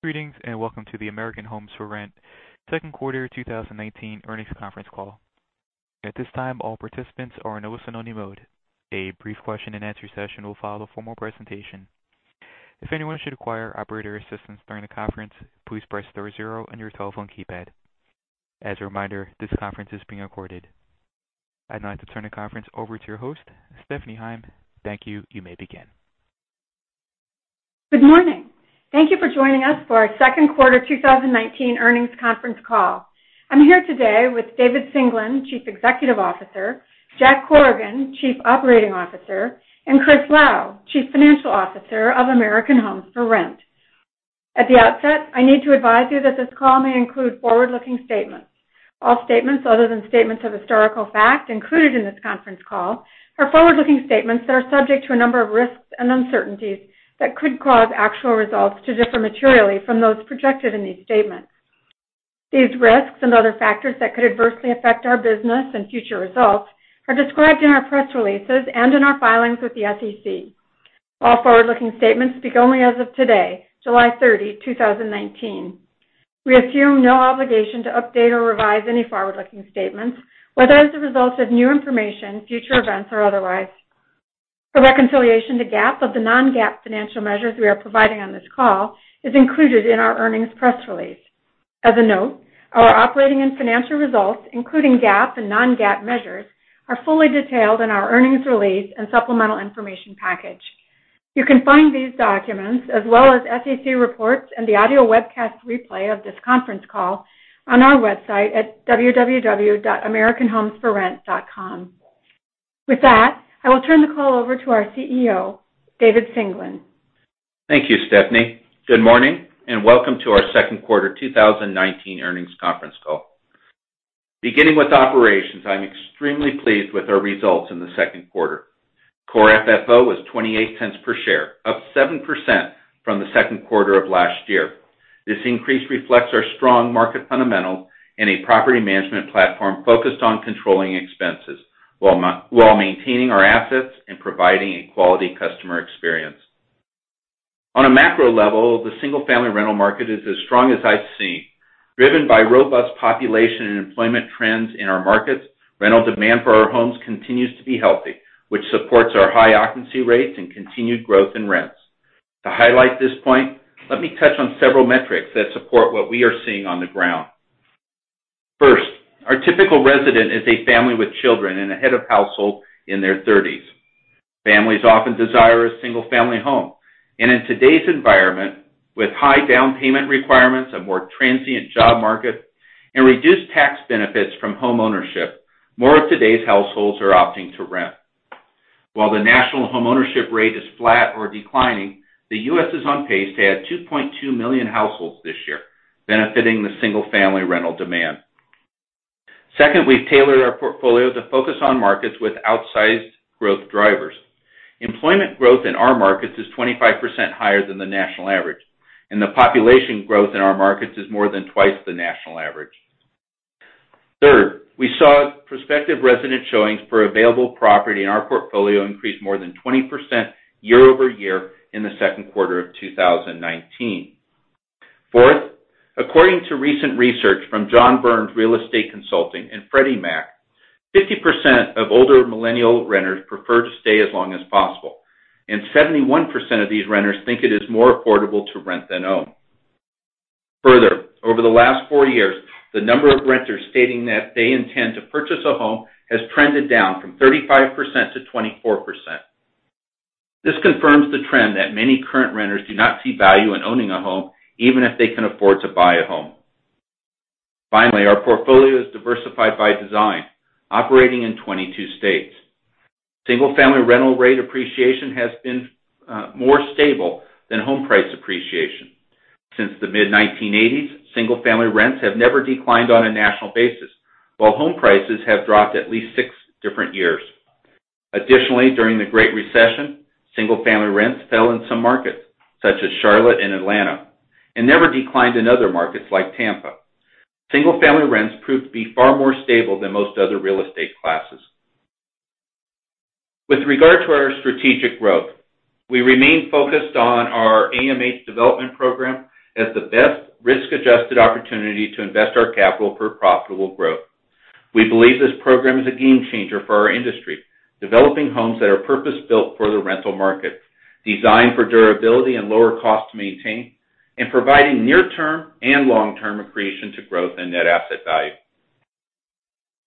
Greetings, and welcome to the American Homes 4 Rent second quarter 2019 earnings conference call. At this time, all participants are in listen-only mode. A brief question-and-answer session will follow the formal presentation. If anyone should require operator assistance during the conference, please press star zero on your telephone keypad. As a reminder, this conference is being recorded. I'd now like to turn the conference over to your host, Stephanie Heim. Thank you. You may begin. Good morning. Thank you for joining us for our second quarter 2019 earnings conference call. I'm here today with David Singelyn, Chief Executive Officer, Jack Corrigan, Chief Operating Officer, and Chris Lau, Chief Financial Officer of American Homes 4 Rent. At the outset, I need to advise you that this call may include forward-looking statements. All statements other than statements of historical fact included in this conference call are forward-looking statements that are subject to a number of risks and uncertainties that could cause actual results to differ materially from those projected in these statements. These risks and other factors that could adversely affect our business and future results are described in our press releases and in our filings with the SEC. All forward-looking statements speak only as of today, July 30, 2019. We assume no obligation to update or revise any forward-looking statements, whether as a result of new information, future events, or otherwise. A reconciliation to GAAP of the non-GAAP financial measures we are providing on this call is included in our earnings press release. As a note, our operating and financial results, including GAAP and non-GAAP measures, are fully detailed in our earnings release and supplemental information package. You can find these documents, as well as SEC reports and the audio webcast replay of this conference call on our website at www.americanhomes4rent.com. With that, I will turn the call over to our CEO, David Singelyn. Thank you, Stephanie. Good morning, and welcome to our second quarter 2019 earnings conference call. Beginning with operations, I'm extremely pleased with our results in the second quarter. Core FFO was $0.28 per share, up 7% from the second quarter of last year. This increase reflects our strong market fundamentals and a Property Management platform focused on controlling expenses while maintaining our assets and providing a quality customer experience. On a macro level, the single-family rental market is as strong as I've seen. Driven by robust population and employment trends in our markets, rental demand for our homes continues to be healthy, which supports our high occupancy rates and continued growth in rents. To highlight this point, let me touch on several metrics that support what we are seeing on the ground. First, our typical resident is a family with children and a head of household in their 30s. Families often desire a single-family home. In today's environment, with high down payment requirements, a more transient job market, and reduced tax benefits from homeownership, more of today's households are opting to rent. While the national homeownership rate is flat or declining, the U.S. is on pace to add 2.2 million households this year, benefiting the single-family rental demand. Second, we've tailored our portfolio to focus on markets with outsized growth drivers. Employment growth in our markets is 25% higher than the national average, and the population growth in our markets is more than twice the national average. Third, we saw prospective resident showings for available property in our portfolio increase more than 20% year-over-year in the second quarter of 2019. Fourth, according to recent research from John Burns Real Estate Consulting and Freddie Mac, 50% of older millennial renters prefer to stay as long as possible, and 71% of these renters think it is more affordable to rent than own. Further, over the last four years, the number of renters stating that they intend to purchase a home has trended down from 35%-24%. This confirms the trend that many current renters do not see value in owning a home, even if they can afford to buy a home. Finally, our portfolio is diversified by design, operating in 22 states. Single-family rental rate appreciation has been more stable than home price appreciation. Since the mid-1980s, single-family rents have never declined on a national basis, while home prices have dropped at least six different years. Additionally, during the Great Recession, single-family rents fell in some markets, such as Charlotte and Atlanta, and never declined in other markets like Tampa. Single-family rents proved to be far more stable than most other real estate classes. With regard to our strategic growth, we remain focused on our AMH Development Program as the best risk-adjusted opportunity to invest our capital for profitable growth. We believe this program is a game-changer for our industry, developing homes that are purpose-built for the rental market, designed for durability and lower cost to maintain, and providing near-term and long-term accretion to growth and net asset value.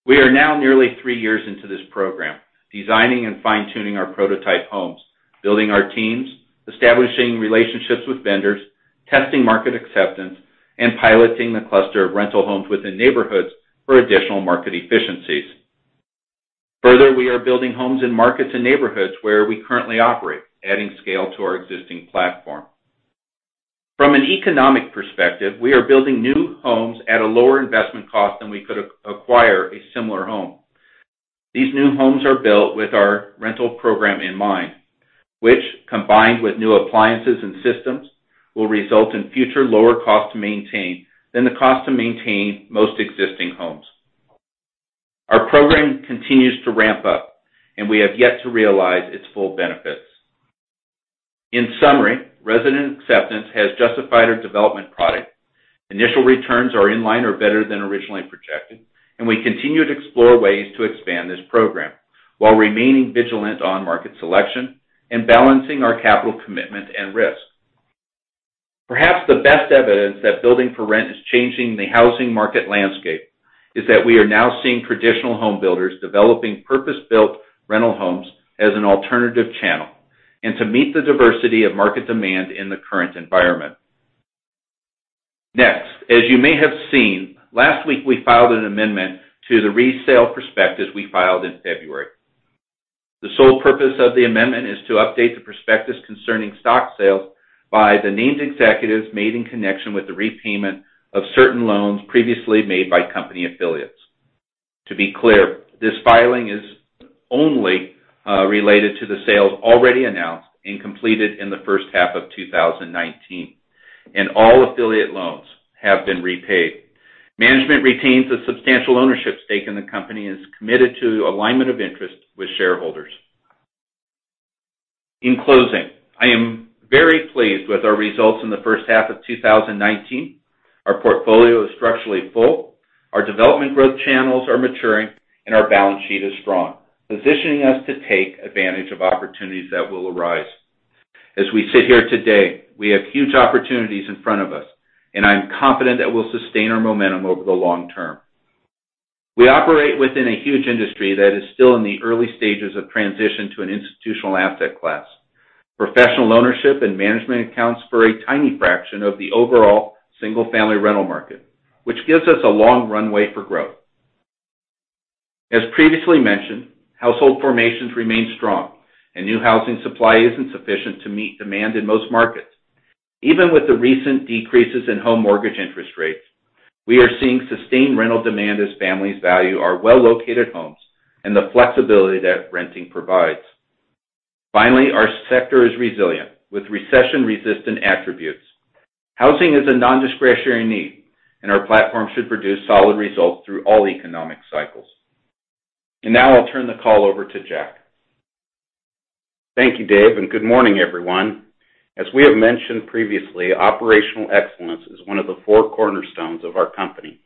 We are now nearly three years into this program, designing and fine-tuning our prototype homes, building our teams, establishing relationships with vendors, testing market acceptance, and piloting the cluster of rental homes within neighborhoods for additional market efficiencies. Further, we are building homes in markets and neighborhoods where we currently operate, adding scale to our existing platform. From an economic perspective, we are building new homes at a lower investment cost than we could acquire a similar home. These new homes are built with our rental program in mind, which, combined with new appliances and systems, will result in future lower cost to maintain than the cost to maintain most existing homes. Our program continues to ramp-up, and we have yet to realize its full benefits. In summary, resident acceptance has justified our development product. Initial returns are in line or better than originally projected, and we continue to explore ways to expand this program while remaining vigilant on market selection and balancing our capital commitment and risk. Perhaps the best evidence that building for rent is changing the housing market landscape is that we are now seeing traditional home builders developing purpose-built rental homes as an alternative channel and to meet the diversity of market demand in the current environment. As you may have seen, last week, we filed an amendment to the resale prospectus we filed in February. The sole purpose of the amendment is to update the prospectus concerning stock sales by the named executives made in connection with the repayment of certain loans previously made by company affiliates. To be clear, this filing is only related to the sales already announced and completed in the first half of 2019, and all affiliate loans have been repaid. Management retains a substantial ownership stake in the company and is committed to alignment of interest with shareholders. In closing, I am very pleased with our results in the first half of 2019. Our portfolio is structurally full, our development growth channels are maturing, and our balance sheet is strong, positioning us to take advantage of opportunities that will arise. As we sit here today, we have huge opportunities in front of us, and I'm confident that we'll sustain our momentum over the long-term. We operate within a huge industry that is still in the early stages of transition to an institutional asset class. Professional ownership and management accounts for a tiny fraction of the overall single-family rental market, which gives us a long runway for growth. As previously mentioned, household formations remain strong, and new housing supply isn't sufficient to meet demand in most markets. Even with the recent decreases in home mortgage interest rates, we are seeing sustained rental demand as families value our well-located homes and the flexibility that renting provides. Finally, our sector is resilient, with recession-resistant attributes. Housing is a non-discretionary need, and our platform should produce solid results through all economic cycles. Now I'll turn the call over to Jack. Thank you, Dave, and good morning, everyone. As we have mentioned previously, operational excellence is one of the four cornerstones of our company.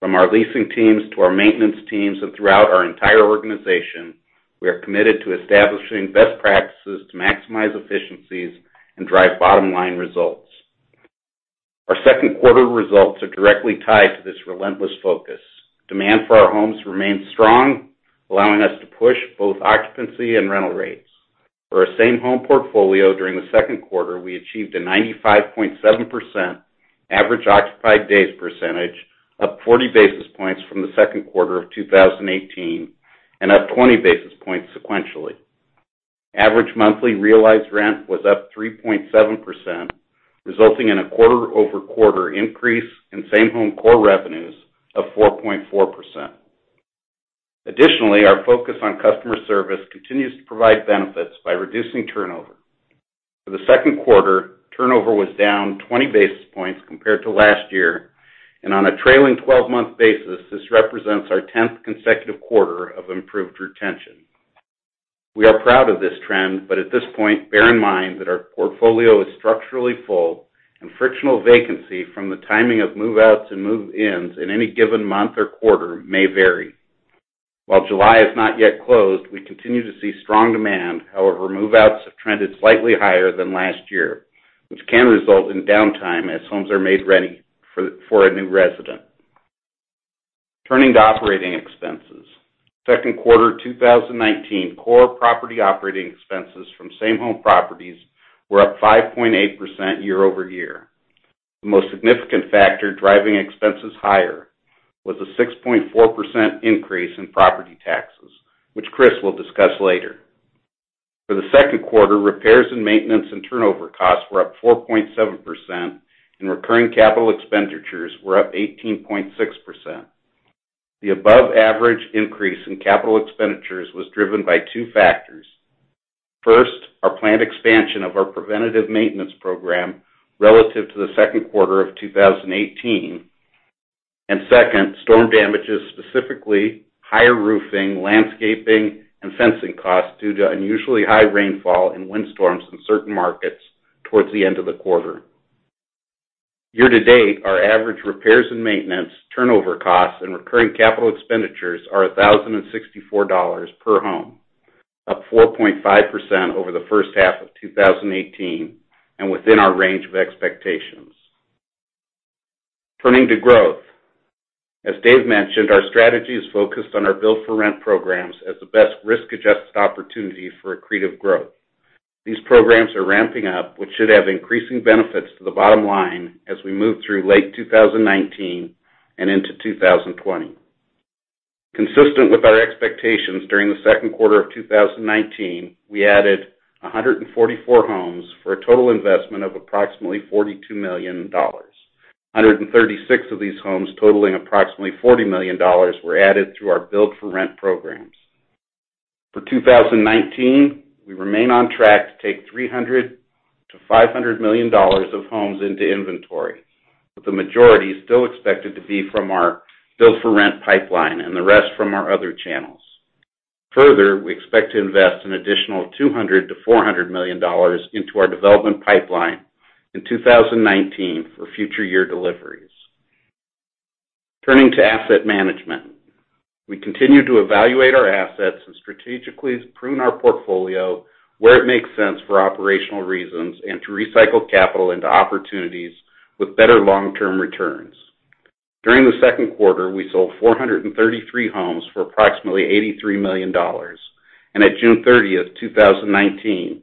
From our leasing teams to our maintenance teams and throughout our entire organization, we are committed to establishing best practices to maximize efficiencies and drive bottom-line results. Our second quarter results are directly tied to this relentless focus. Demand for our homes remains strong, allowing us to push both occupancy and rental rates. For our same-home portfolio during the second quarter, we achieved a 95.7% average occupied days percentage, up 40 basis points from the second quarter of 2018 and up 20 basis points sequentially. Average monthly realized rent was up 3.7%, resulting in a quarter-over-quarter increase in same home core revenues of 4.4%. Additionally, our focus on customer service continues to provide benefits by reducing turnover. For the second quarter, turnover was down 20 basis points compared to last year, and on a trailing 12-month basis, this represents our 10th consecutive quarter of improved retention. We are proud of this trend, but at this point, bear in mind that our portfolio is structurally full and frictional vacancy from the timing of move-outs and move-ins in any given month or quarter may vary. While July is not yet closed, we continue to see strong demand. However, move-outs have trended slightly higher than last year, which can result in downtime as homes are made ready for a new resident. Turning to operating expenses. Second quarter 2019, core property operating expenses from same-home properties were up 5.8% year-over-year. The most significant factor driving expenses higher was a 6.4% increase in property taxes, which Chris will discuss later. For the second quarter, repairs and maintenance and turnover costs were up 4.7%, and recurring capital expenditures were up 18.6%. The above-average increase in capital expenditures was driven by two factors. First, our planned expansion of our preventative maintenance program relative to the second quarter of 2018, and second, storm damages, specifically higher roofing, landscaping, and fencing costs due to unusually high rainfall and windstorms in certain markets towards the end of the quarter. Year-to-date, our average repairs and maintenance, turnover costs, and recurring capital expenditures are $1,064 per home, up 4.5% over the first half of 2018 and within our range of expectations. Turning to growth. As Dave mentioned, our strategy is focused on our build-for-rent programs as the best risk-adjusted opportunity for accretive growth. These programs are ramping up, which should have increasing benefits to the bottom line as we move through late 2019 and into 2020. Consistent with our expectations during the second quarter of 2019, we added 144 homes for a total investment of approximately $42 million. 136 of these homes, totaling approximately $40 million, were added through our build-for-rent programs. For 2019, we remain on track to take $300 million-$500 million of homes into inventory, with the majority still expected to be from our build-for-rent pipeline and the rest from our other channels. Further, we expect to invest an additional $200 million-$400 million into our development pipeline in 2019 for future year deliveries. Turning to asset management. We continue to evaluate our assets and strategically prune our portfolio where it makes sense for operational reasons and to recycle capital into opportunities with better long-term returns. During the second quarter, we sold 433 homes for approximately $83 million. At June 30th, 2019,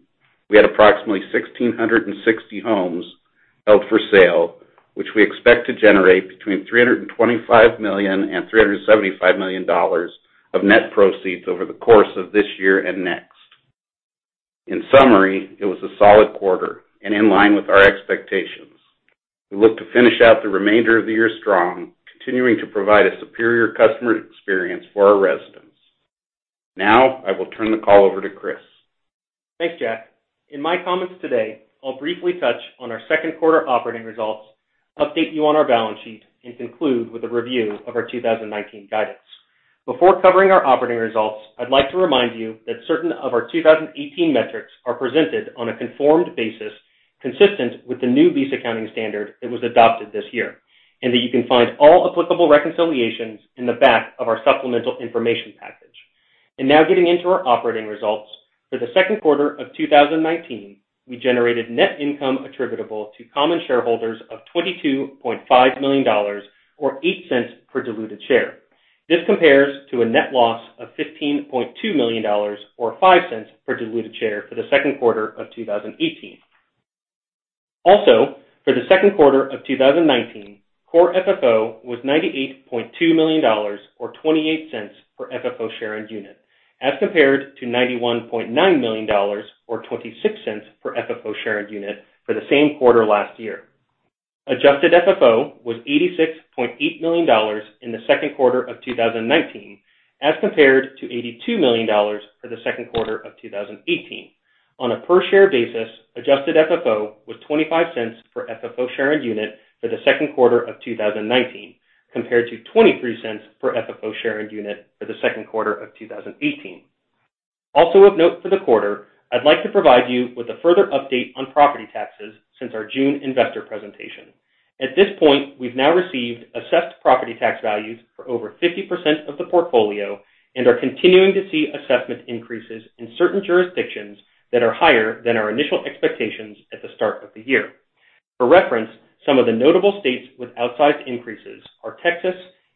we had approximately 1,660 homes held for sale, which we expect to generate between $325 million and $375 million of net proceeds over the course of this year and next. In summary, it was a solid quarter and in line with our expectations. We look to finish out the remainder of the year strong, continuing to provide a superior customer experience for our residents. Now, I will turn the call over to Chris. Thanks, Jack. In my comments today, I'll briefly touch on our second quarter operating results, update you on our balance sheet, and conclude with a review of our 2019 guidance. Before covering our operating results, I'd like to remind you that certain of our 2018 metrics are presented on a conformed basis, consistent with the new lease accounting standard that was adopted this year, and that you can find all applicable reconciliations in the back of our supplemental information package. Now getting into our operating results. For the second quarter of 2019, we generated net income attributable to common shareholders of $22.5 million or $0.08 per diluted share. This compares to a net loss of $15.2 million or $0.05 per diluted share for the second quarter of 2018. Also, for the second quarter of 2019, Core FFO was $98.2 million or $0.28 for FFO share and unit, as compared to $91.9 million or $0.26 for FFO share and unit for the same quarter last year. Adjusted FFO was $86.8 million in the second quarter of 2019 as compared to $82 million for the second quarter of 2018. On a per share basis, Adjusted FFO was $0.25 for FFO share and unit for the second quarter of 2019, compared to $0.23 for FFO share and unit for the second quarter of 2018. Also of note for the quarter, I'd like to provide you with a further update on property taxes since our June investor presentation. At this point, we've now received assessed property tax values for over 50% of the portfolio and are continuing to see assessment increases in certain jurisdictions that are higher than our initial expectations at the start of the year. For reference, some of the notable states with outsized increases are Texas,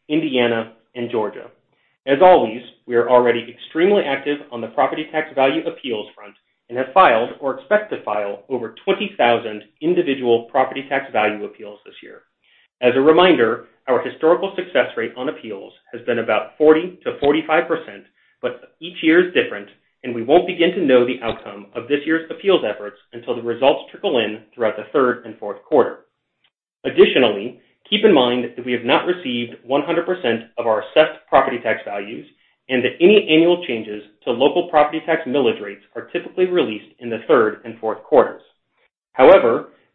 Indiana, and Georgia. As always, we are already extremely active on the property tax value appeals front and have filed or expect to file over 20,000 individual property tax value appeals this year. As a reminder, our historical success rate on appeals has been about 40%-45%, but each year is different, and we won't begin to know the outcome of this year's appeals efforts until the results trickle in throughout the third and fourth quarter. Additionally, keep in mind that we have not received 100% of our assessed property tax values and that any annual changes to local property tax millage rates are typically released in the third and fourth quarters.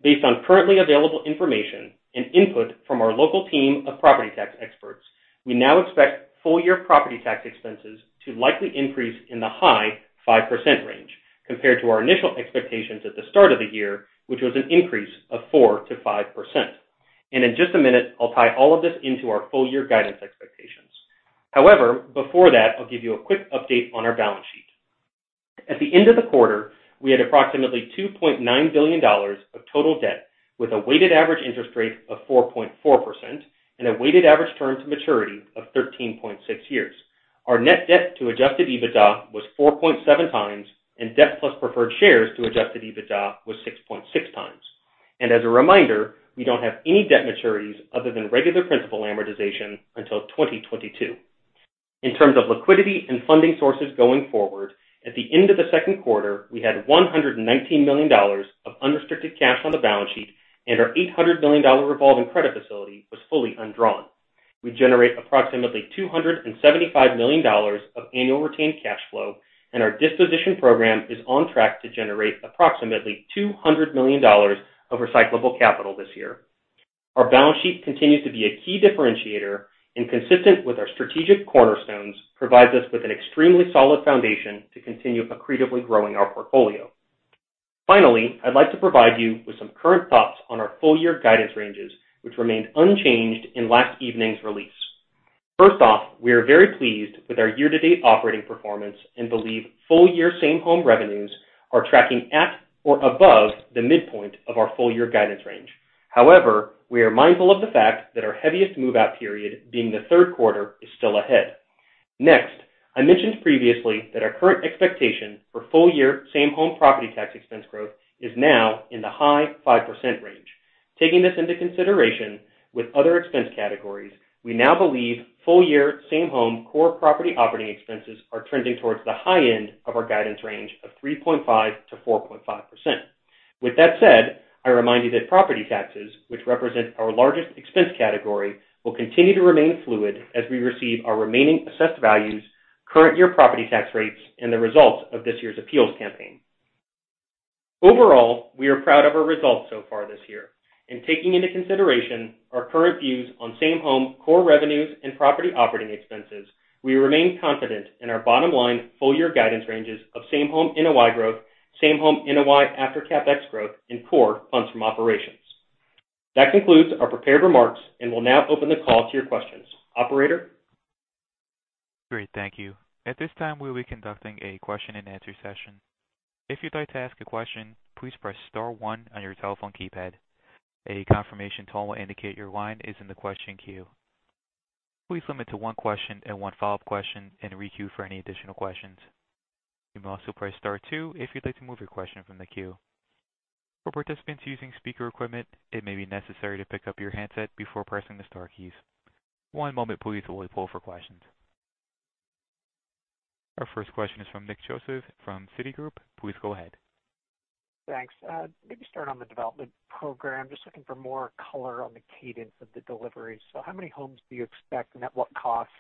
Based on currently available information and input from our local team of property tax experts, we now expect full year property tax expenses to likely increase in the high 5% range compared to our initial expectations at the start of the year, which was an increase of 4%-5%. In just a minute, I'll tie all of this into our full year guidance expectations. Before that, I'll give you a quick update on our balance sheet. At the end of the quarter, we had approximately $2.9 billion of total debt with a weighted average interest rate of 4.4% and a weighted average term to maturity of 13.6 years. Our net debt to adjusted EBITDA was 4.7x, and debt plus preferred shares to adjusted EBITDA was 6.6x. As a reminder, we don't have any debt maturities other than regular principal amortization until 2022. In terms of liquidity and funding sources going forward, at the end of the second quarter, we had $119 million of unrestricted cash on the balance sheet, and our $800 million revolving credit facility was fully undrawn. We generate approximately $275 million of annual retained cash flow, and our disposition program is on track to generate approximately $200 million of recyclable capital this year. Our balance sheet continues to be a key differentiator, and consistent with our strategic cornerstones, provides us with an extremely solid foundation to continue accretively growing our portfolio. Finally, I'd like to provide you with some current thoughts on our full year guidance ranges, which remained unchanged in last evening's release. First off, we are very pleased with our year-to-date operating performance and believe full year same home revenues are tracking at or above the midpoint of our full year guidance range. However, we are mindful of the fact that our heaviest move-out period being the third quarter is still ahead. Next, I mentioned previously that our current expectation for full year same home property tax expense growth is now in the high 5% range. Taking this into consideration with other expense categories, we now believe full-year same-home core property operating expenses are trending towards the high end of our guidance range of 3.5%-4.5%. With that said, I remind you that property taxes, which represent our largest expense category, will continue to remain fluid as we receive our remaining assessed values, current year property tax rates, and the results of this year's appeals campaign. Overall, we are proud of our results so far this year. Taking into consideration our current views on same-home core revenues and property operating expenses, we remain confident in our bottom line full-year guidance ranges of same-home NOI growth, same-home NOI after CapEx growth, and Core Funds From Operations. That concludes our prepared remarks, and we'll now open the call to your questions. Operator? Great, thank you. At this time, we'll be conducting a question-and-answer session. If you'd like to ask a question, please press star one on your telephone keypad. A confirmation tone will indicate your line is in the question queue. Please limit to one question and one follow-up question and re-queue for any additional questions. You may also press star two if you'd like to move your question from the queue. For participants using speaker equipment, it may be necessary to pick up your handset before pressing the star keys. One moment please, while we pull for questions. Our first question is from Nick Joseph from Citigroup. Please go ahead. Thanks. Maybe start on the Development Program. Just looking for more color on the cadence of the deliveries. How many homes do you expect, and at what cost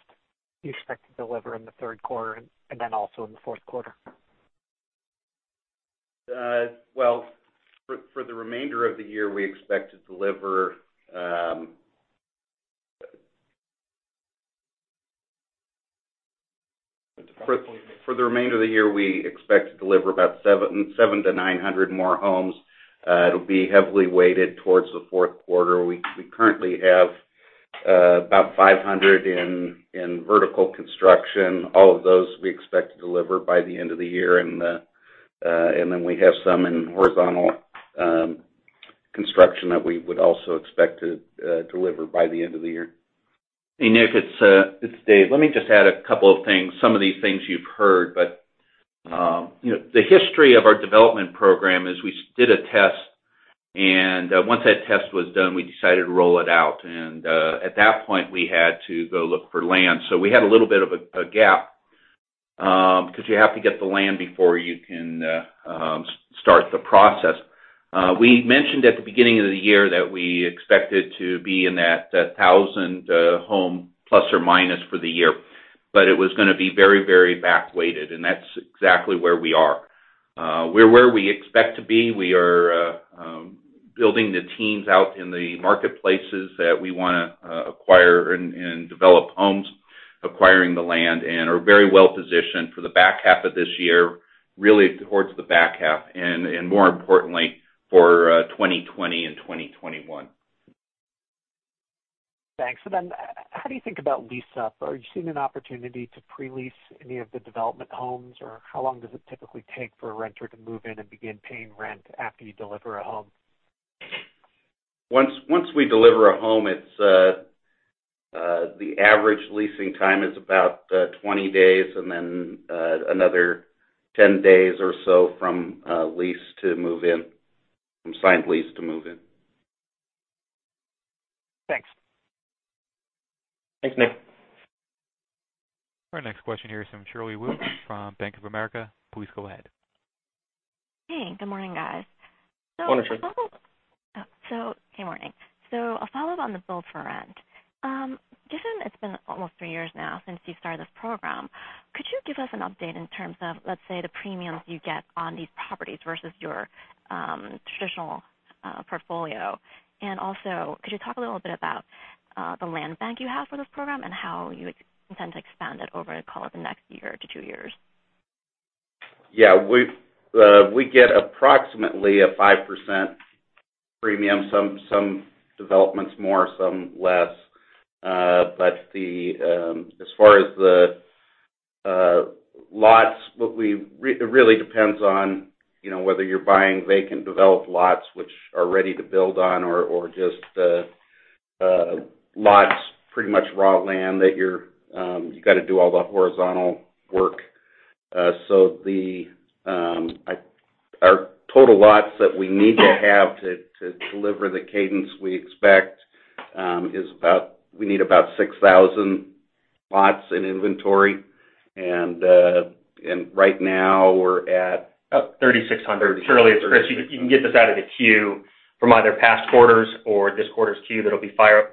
do you expect to deliver in the third quarter and then also in the fourth quarter? Well, for the remainder of the year, we expect to deliver about 700 to 900 more homes. It'll be heavily weighted towards the fourth quarter. We currently have about 500 in vertical construction. All of those we expect to deliver by the end of the year. We have some in horizontal construction that we would also expect to deliver by the end of the year. Hey, Nick, it's Dave. Let me just add a couple of things. Some of these things you've heard, but the history of our Development Program is we did a test, and once that test was done, we decided to roll it out. At that point, we had to go look for land. We had a little bit of a gap, because you have to get the land before you can start the process. We mentioned at the beginning of the year that we expected to be in that 1,000-home plus or minus for the year, but it was going to be very back-weighted, and that's exactly where we are. We're where we expect to be. We are building the teams out in the marketplaces that we want to acquire and develop homes, acquiring the land, and are very well-positioned for the back half of this year, really towards the back half, and more importantly, for 2020 and 2021. Thanks. How do you think about lease-up? Are you seeing an opportunity to pre-lease any of the development homes, or how long does it typically take for a renter to move in and begin paying rent after you deliver a home? Once we deliver a home, the average leasing time is about 20 days, then another 10 days or so from signed lease to move-in. Thanks. Thanks, Nick. Our next question here is from Shirley Wu from Bank of America. Please go ahead. Hey, good morning, guys. Morning. Good morning. A follow-up on the build-for-rent. Given it's been almost three years now since you've started this program, could you give us an update in terms of, let's say, the premiums you get on these properties versus your traditional portfolio? Also, could you talk a little bit about the land bank you have for this program and how you intend to expand it over, call it, the next year to two years? Yeah. We get approximately a 5% premium, some developments more, some less. As far as the lots, it really depends on whether you're buying vacant developed lots which are ready to build on or just lots, pretty much raw land that you've got to do all the horizontal work. Our total lots that we need to have to deliver the cadence we expect is we need about 6,000 lots in inventory, and right now we're at about 3,600. Shirley, it's Chris. You can get this out of the queue from either past quarters' or this quarter's queue that'll be filed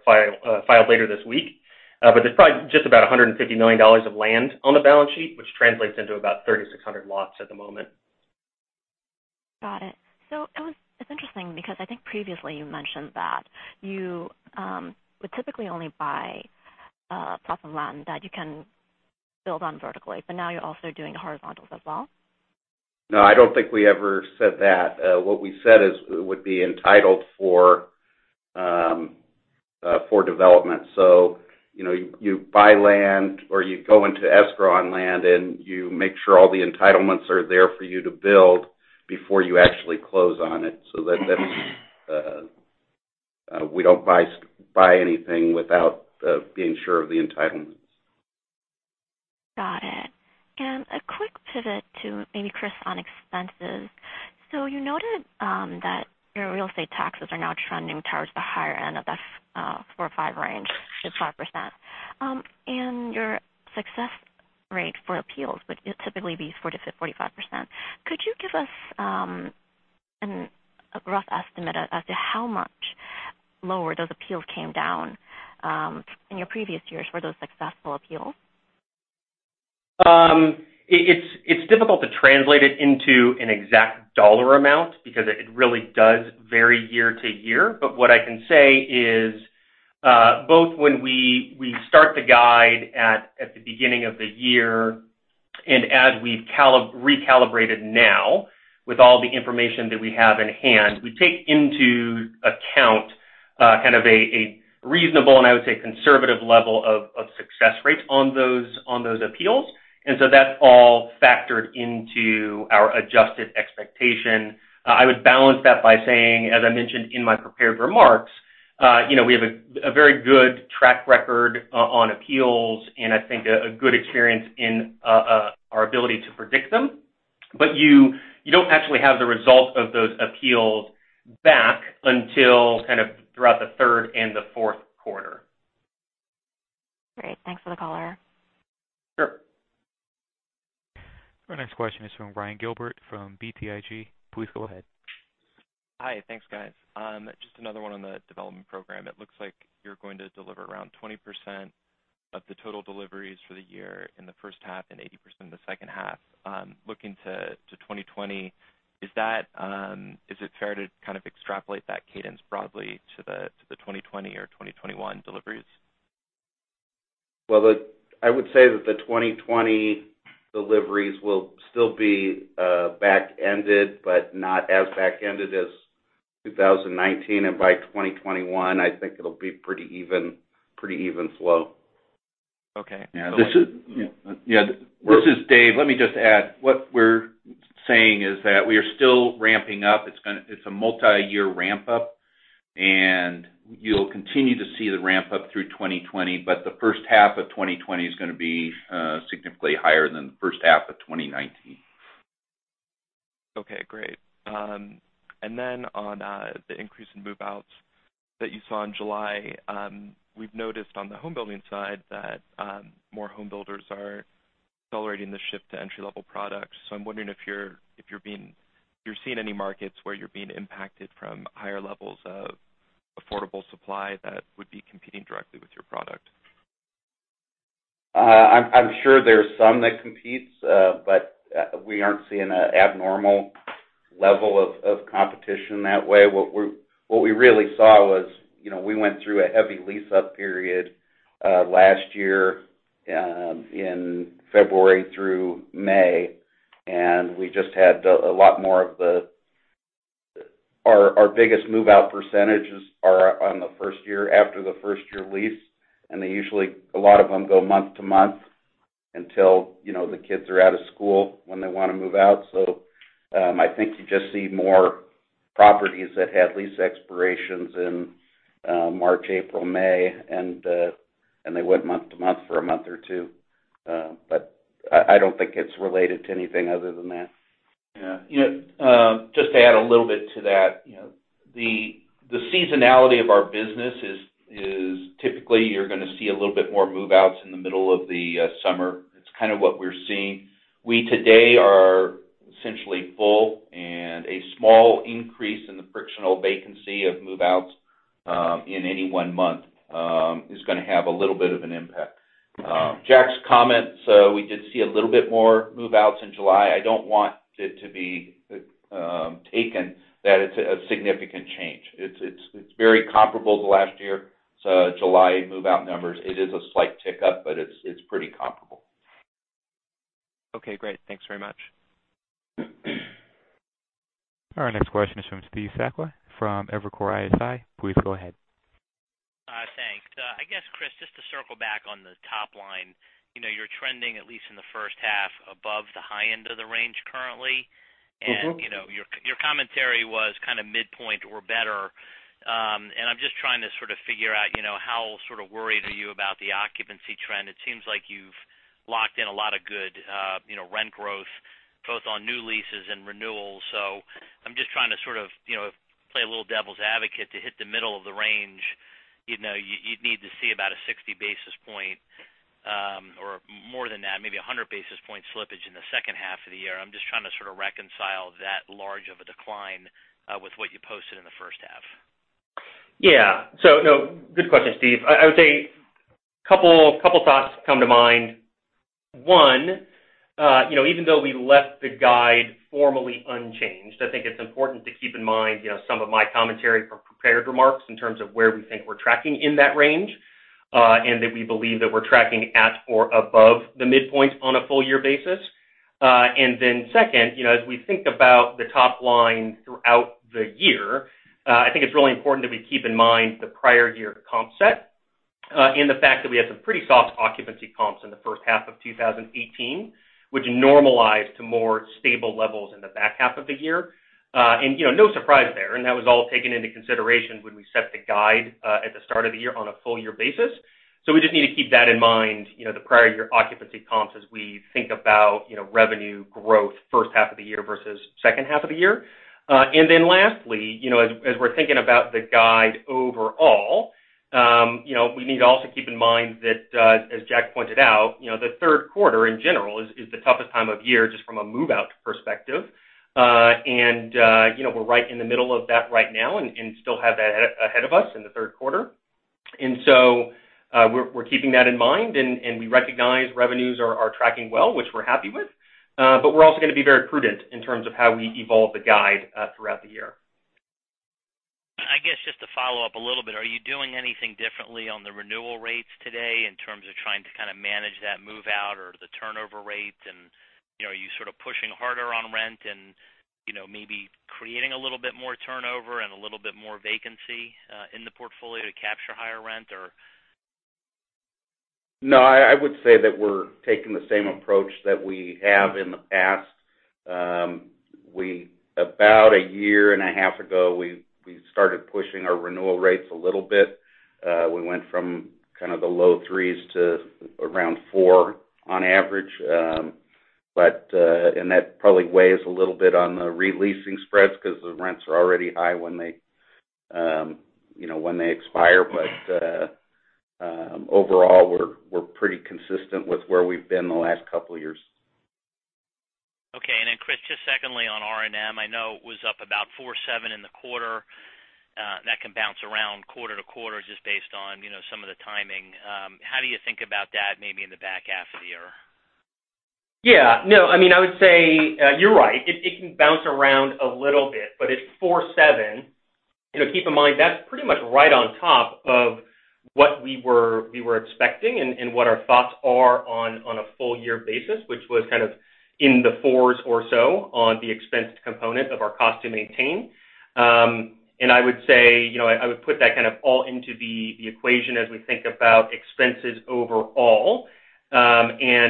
later this week. There's probably just about $150 million of land on the balance sheet, which translates into about 3,600 lots at the moment. Got it. It's interesting because I think previously you mentioned that you would typically only buy a plot of land that you can build on vertically, but now you're also doing horizontals as well? No, I don't think we ever said that. What we said is it would be entitled for development. You buy land or you go into escrow on land, and you make sure all the entitlements are there for you to build before you actually close on it. We don't buy anything without being sure of the entitlements. Got it. A quick pivot to maybe Chris on expenses. You noted that your real estate taxes are now trending towards the higher end of the 4% or 5% range to 5%. Your success rate for appeals would typically be 40%-45%. Could you give us a rough estimate as to how much lower those appeals came down in your previous years for those successful appeals? It's difficult to translate it into an exact dollar amount because it really does vary year to year. What I can say is, both when we start the guide at the beginning of the year and as we've recalibrated now, with all the information that we have in hand, we take into account kind of a reasonable and, I would say, conservative level of success rates on those appeals. That's all factored into our adjusted expectation. I would balance that by saying, as I mentioned in my prepared remarks, we have a very good track record on appeals, and I think a good experience in our ability to predict them. You don't actually have the result of those appeals back until kind of throughout the third and the fourth quarter. Great. Thanks for the color. Sure. Our next question is from Ryan Gilbert from BTIG. Please go ahead. Hi. Thanks, guys. Just another one on the Development Program. It looks like you're going to deliver around 20% of the total deliveries for the year in the first half and 80% in the second half. Looking to 2020, is it fair to kind of extrapolate that cadence broadly to the 2020 or 2021 deliveries? Well, I would say that the 2020 deliveries will still be back-ended, but not as back-ended as 2019. By 2021, I think it'll be pretty even flow. Okay. Yeah. This is Dave. Let me just add, what we're saying is that we are still ramping up. It's a multi-year ramp-up, and you'll continue to see the ramp-up through 2020, but the first half of 2020 is going to be significantly higher than the first half of 2019. Okay, great. On the increase in move-outs that you saw in July, we've noticed on the home building side that more home builders are accelerating the shift to entry-level products. I'm wondering if you're seeing any markets where you're being impacted from higher levels of affordable supply that would be competing directly with your product. I'm sure there's some that competes, we aren't seeing an abnormal level of competition in that way. What we really saw was we went through a heavy lease-up period last year in February through May, and we just had a lot more of the Our biggest move-out percentages are on the first year after the first-year lease, and they usually, a lot of them go month-to-month until the kids are out of school when they want to move out. I think you just see more properties that had lease expirations in March, April, May, and they went month-to-month for a month or two. I don't think it's related to anything other than that. Yeah. Just to add a little bit to that. The seasonality of our business is typically you're going to see a little bit more move-outs in the middle of the summer. It's kind of what we're seeing. We today are essentially full, and a small increase in the frictional vacancy of move-outs, in any one month, is going to have a little bit of an impact. Jack's comment, we did see a little bit more move-outs in July. I don't want it to be taken that it's a significant change. It's very comparable to last year's July move-out numbers. It is a slight tick-up, but it's pretty comparable. Okay, great. Thanks very much. Our next question is from Steve Sakwa from Evercore ISI. Please go ahead. Thanks. I guess, Chris, just to circle back on the top line. You're trending, at least in the first half, above the high end of the range currently. Your commentary was kind of midpoint or better. I'm just trying to sort of figure out how sort of worried are you about the occupancy trend. It seems like you've locked in a lot of good rent growth, both on new leases and renewals. I'm just trying to sort of play a little devil's advocate. To hit the middle of the range, you'd need to see about a 60 basis point, or more than that, maybe 100 basis point slippage in the second half of the year. I'm just trying to sort of reconcile that large of a decline with what you posted in the first half. Good question, Steve. I would say a couple of thoughts come to mind. One. Even though we left the guide formally unchanged, I think it's important to keep in mind some of my commentary from prepared remarks in terms of where we think we're tracking in that range, and that we believe that we're tracking at or above the midpoint on a full-year basis. Then second, as we think about the top line throughout the year, I think it's really important that we keep in mind the prior year comp set, and the fact that we had some pretty soft occupancy comps in the first half of 2018, which normalized to more stable levels in the back half of the year. No surprise there, and that was all taken into consideration when we set the guide at the start of the year on a full-year basis. We just need to keep that in mind, the prior year occupancy comps as we think about revenue growth first half of the year versus second half of the year. Lastly, as we're thinking about the guide overall. We need to also keep in mind that, as Jack pointed out, the third quarter in general is the toughest time of year just from a move-out perspective. We're right in the middle of that right now and still have that ahead of us in the third quarter. We're keeping that in mind, and we recognize revenues are tracking well, which we're happy with. We're also going to be very prudent in terms of how we evolve the guide throughout the year. I guess, just to follow-up a little bit, are you doing anything differently on the renewal rates today in terms of trying to kind of manage that move-out or the turnover rate? Are you sort of pushing harder on rent and maybe creating a little bit more turnover and a little bit more vacancy in the portfolio to capture higher rent or? No, I would say that we're taking the same approach that we have in the past. About a year and a half ago, we started pushing our renewal rates a little bit. We went from kind of the low threes to around four on average. That probably weighs a little bit on the re-leasing spreads because the rents are already high when they expire. Overall, we're pretty consistent with where we've been the last couple of years. Okay. Chris, just secondly on R&M, I know it was up about 4.7% in the quarter. That can bounce around quarter-to-quarter just based on some of the timing. How do you think about that maybe in the back half of the year? Yeah. I would say you're right. It can bounce around a little bit, but it's 4.7. Keep in mind, that's pretty much right on top of what we were expecting and what our thoughts are on a full year basis, which was kind of in the fours or so on the expensed component of our cost to maintain. I would put that kind of all into the equation as we think about expenses overall.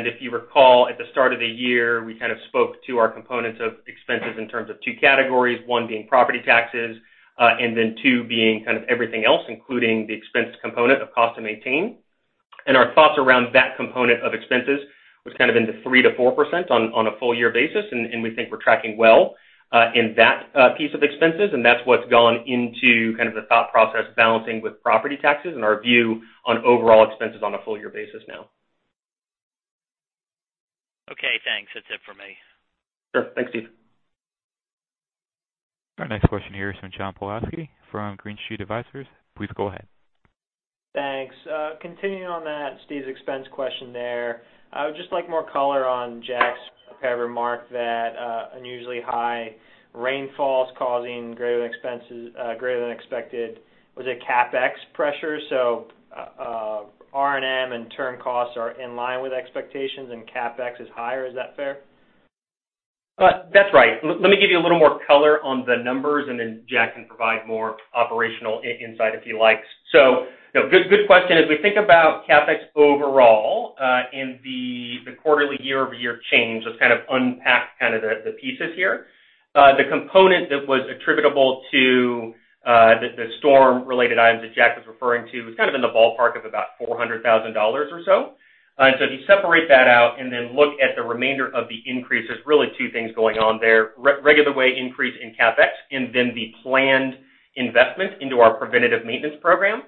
If you recall, at the start of the year, we kind of spoke to our components of expenses in terms of two categories, one being property taxes, then two being kind of everything else, including the expensed component of cost to maintain. Our thoughts around that component of expenses was kind of in the 3%-4% on a full year basis. We think we're tracking well in that piece of expenses. That's what's gone into kind of the thought process balancing with property taxes and our view on overall expenses on a full year basis now. Okay, thanks. That's it for me. Sure. Thanks, Steve. Our next question here is from John Pawlowski from Green Street Advisors. Please go ahead. Thanks. Continuing on that, Steve's expense question there. I would just like more color on Jack's kind of remark that unusually high rainfalls causing greater-than-expected, was it CapEx pressure? R&M and turn costs are in line with expectations and CapEx is higher. Is that fair? That's right. Let me give you a little more color on the numbers, and then Jack can provide more operational insight if he likes. Good question. As we think about CapEx overall, in the quarterly year-over-year change, let's kind of unpack kind of the pieces here. The component that was attributable to the storm-related items that Jack was referring to was kind of in the ballpark of about $400,000 or so. If you separate that out and then look at the remainder of the increase, there's really two things going on there. Regular way increase in CapEx and then the planned investment into our preventative maintenance program.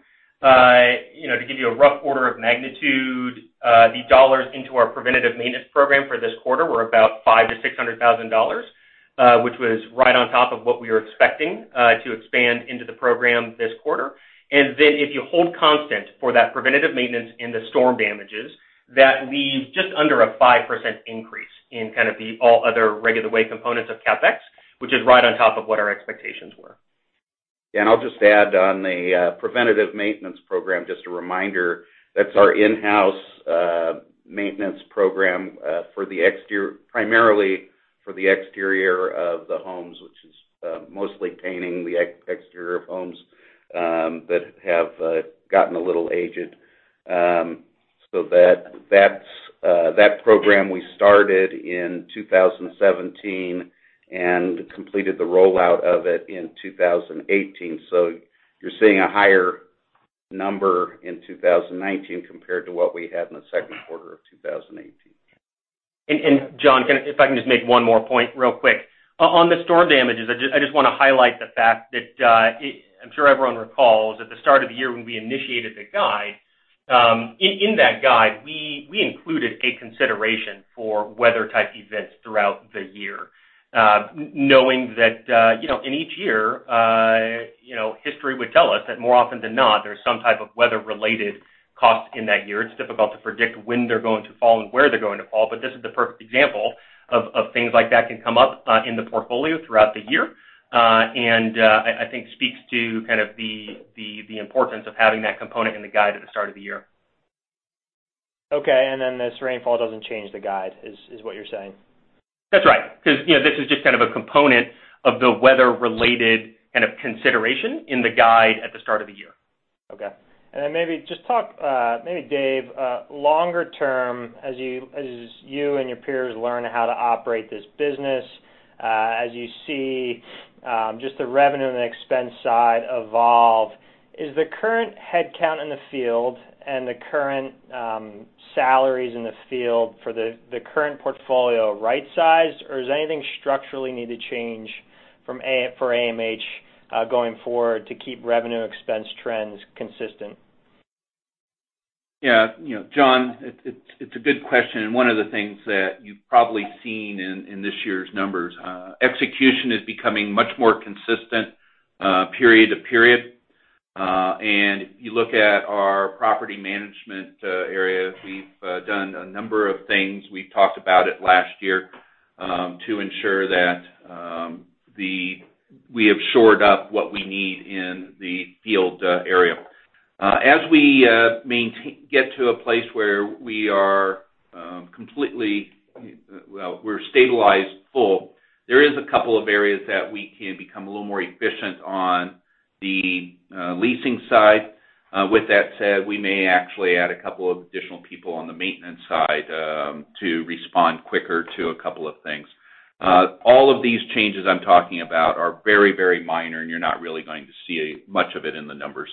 To give you a rough order of magnitude, the dollars into our preventative maintenance program for this quarter were about $500,000-$600,000, which was right on top of what we were expecting to expand into the program this quarter. If you hold constant for that preventative maintenance and the storm damages, that leaves just under a 5% increase in kind of the all other regular way components of CapEx, which is right on top of what our expectations were. I'll just add on the preventative maintenance program, just a reminder, that's our in-house maintenance program primarily for the exterior of the homes, which is mostly painting the exterior of homes that have gotten a little aged. That program we started in 2017 and completed the rollout of it in 2018. You're seeing a higher number in 2019 compared to what we had in the second quarter of 2018. John, if I can just make one more point real quick. On the storm damages, I just want to highlight the fact that, I'm sure everyone recalls, at the start of the year when we initiated the guide. In that guide, we included a consideration for weather-type events throughout the year. Knowing that in each year, history would tell us that more often than not, there's some type of weather-related cost in that year. It's difficult to predict when they're going to fall and where they're going to fall, but this is the perfect example of things like that can come up in the portfolio throughout the year. I think speaks to kind of the importance of having that component in the guide at the start of the year. Okay, this rainfall doesn't change the guide, is what you're saying? That's right. This is just kind of a component of the weather-related kind of consideration in the guide at the start of the year. Okay. Maybe just talk, maybe Dave, longer-term, as you and your peers learn how to operate this business, as you see just the revenue and the expense side evolve, is the current headcount in the field and the current salaries in the field for the current portfolio right-sized, or does anything structurally need to change for AMH going forward to keep revenue expense trends consistent? Yeah. John, it's a good question, and one of the things that you've probably seen in this year's numbers. Execution is becoming much more consistent period to period. If you look at our Property Management areas, we've done a number of things, we've talked about it last year, to ensure that we have shored up what we need in the field area. As we get to a place where we're stabilized full, there is a couple of areas that we can become a little more efficient on the leasing side. With that said, we may actually add a couple of additional people on the maintenance side to respond quicker to a couple of things. All of these changes I'm talking about are very, very minor, and you're not really going to see much of it in the numbers.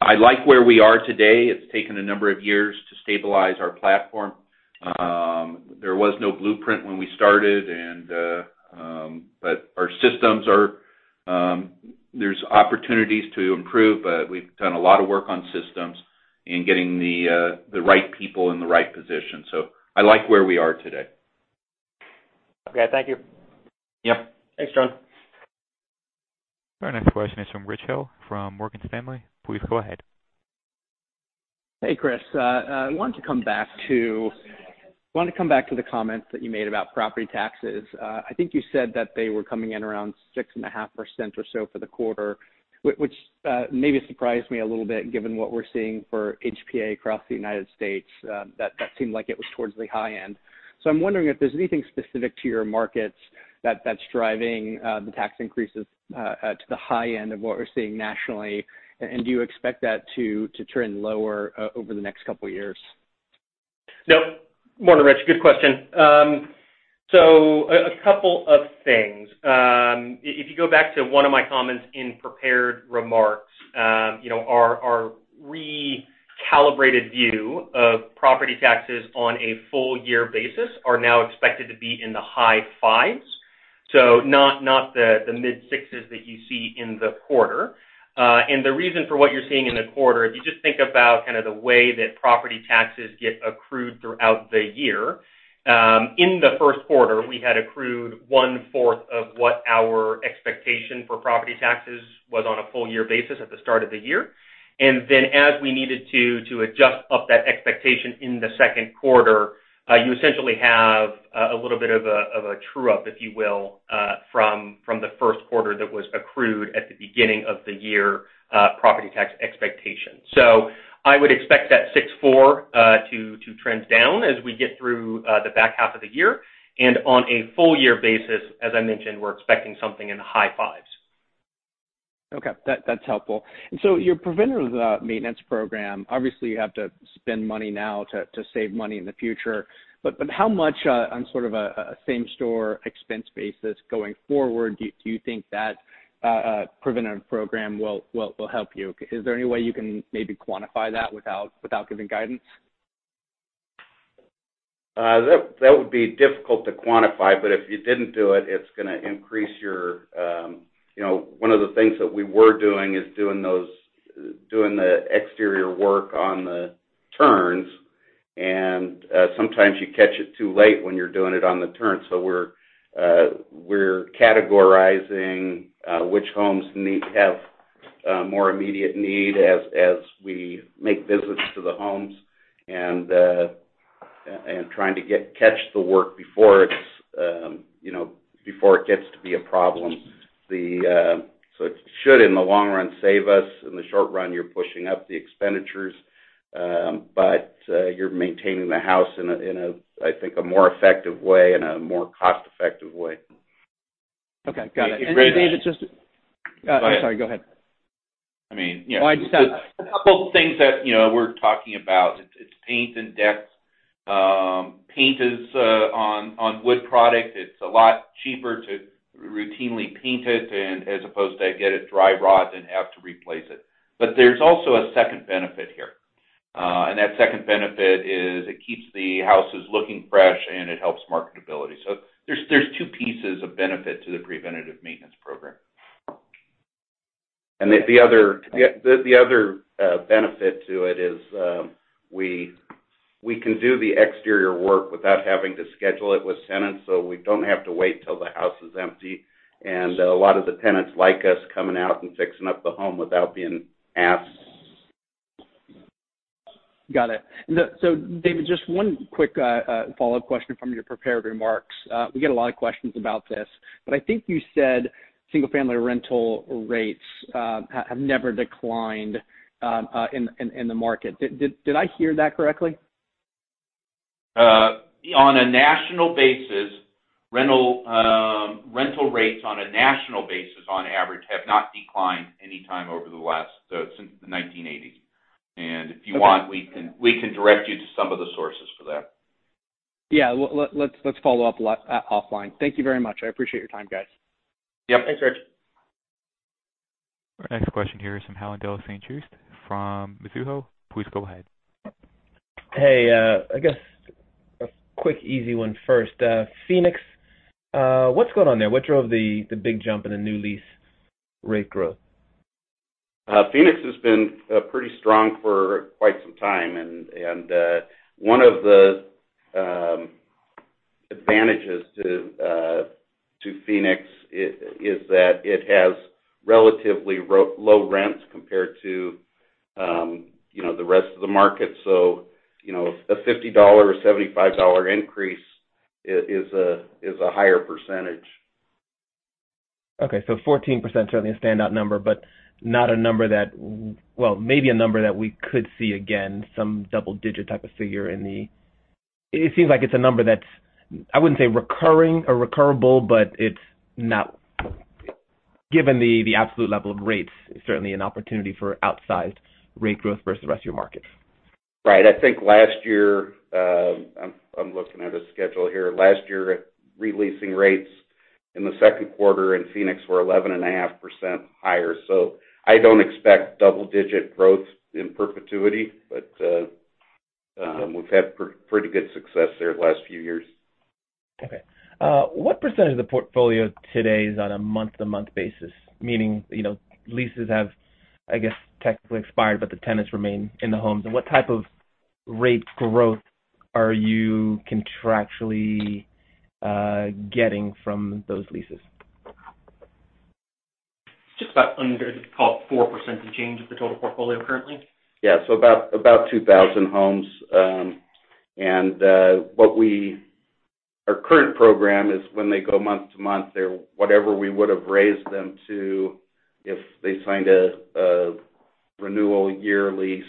I like where we are today. It's taken a number of years to stabilize our platform. There was no blueprint when we started, but There's opportunities to improve, but we've done a lot of work on systems and getting the right people in the right position. I like where we are today. Okay. Thank you. Yeah. Thanks, John. Our next question is from Rich Hill from Morgan Stanley. Please go ahead. Hey, Chris. I wanted to come back to the comments that you made about property taxes. I think you said that they were coming in around 6.5% or so for the quarter, which maybe surprised me a little bit given what we're seeing for HPA across the United States. That seemed like it was towards the high end. I'm wondering if there's anything specific to your markets that's driving the tax increases to the high end of what we're seeing nationally, and do you expect that to trend lower over the next couple of years? No. Morning, Rich. Good question. A couple of things. If you go back to one of my comments in prepared remarks, our recalibrated view of property taxes on a full year basis are now expected to be in the high fives, not the mid-sixes that you see in the quarter. The reason for what you're seeing in the quarter, if you just think about kind of the way that property taxes get accrued throughout the year. In the first quarter, we had accrued one-fourth of what our expectation for property taxes was on a full year basis at the start of the year. Then as we needed to adjust up that expectation in the second quarter, you essentially have a little bit of a true-up, if you will, from the first quarter that was accrued at the beginning of the year property tax expectation. I would expect that 6.4% to trend down as we get through the back half of the year. On a full year basis, as I mentioned, we're expecting something in the high 5s. Okay. That's helpful. Your preventative maintenance program, obviously, you have to spend money now to save money in the future. How much on sort of a same-store expense basis going forward do you think that preventative program will help you? Is there any way you can maybe quantify that without giving guidance? That would be difficult to quantify, but if you didn't do it, one of the things that we were doing is doing the exterior work on the turns, and sometimes you catch it too late when you're doing it on the turn. We're categorizing which homes have more immediate need as we make visits to the homes, and trying to catch the work before it gets to be a problem. It should, in the long run, save us. In the short run, you're pushing up the expenditures, but you're maintaining the house in, I think, a more effective way and a more cost-effective way. Okay. Got it. If it- And then it's just- Go ahead. I'm sorry, go ahead. I mean, yeah. No, I just- A couple things that we're talking about, it's paint and decks. Paint is on wood product. It's a lot cheaper to routinely paint it, and as opposed to get it dry rotted and have to replace it. There's also a second benefit here. That second benefit is it keeps the houses looking fresh, and it helps marketability. There's two pieces of benefit to the preventative maintenance program. The other benefit to it is, we can do the exterior work without having to schedule it with tenants, so we don't have to wait till the house is empty. A lot of the tenants like us coming out and fixing up the home without being asked. Got it. David, just one quick follow-up question from your prepared remarks. We get a lot of questions about this, but I think you said single-family rental rates have never declined in the market. Did I hear that correctly? On a national basis, rental rates, on average, have not declined any time since the 1980s. Okay We can direct you to some of the sources for that. Let's follow-up offline. Thank you very much. I appreciate your time, guys. Yep. Thanks, Rich. Our next question here is from Haendel St. Juste from Mizuho. Please go ahead. Hey, A quick easy one first. Phoenix, what's going on there? What drove the big jump in the new lease rate growth? Phoenix has been pretty strong for quite some time, and one of the advantages to Phoenix is that it has relatively low rents compared to the rest of the market. A $50 or $75 increase is a higher percentage. Okay. 14% certainly a standout number, but not a number that, maybe a number that we could see again, some double-digit type of figure in the. It seems like it's a number that's, I wouldn't say recurring or recurable, but it's not given the absolute level of rates, certainly an opportunity for outsized rate growth versus the rest of your markets. Right. I think last year, I'm looking at a schedule here. Last year, re-leasing rates in the second quarter in Phoenix were 11.5% higher. I don't expect double-digit growth in perpetuity, but we've had pretty good success there the last few years. Okay. What percent of the portfolio today is on a month-to-month basis? Meaning, leases have, I guess, technically expired, but the tenants remain in the homes. What type of rate growth are you contractually getting from those leases? Just about call it 4% of change of the total portfolio currently. Yeah. About 2,000 homes. Our current program is when they go month-to-month, they're whatever we would've raised them to if they signed a renewal year lease